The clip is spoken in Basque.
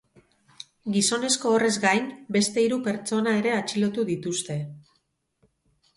Gizonezko horrez gain, beste hiru pertsona ere atxilotu dituzte.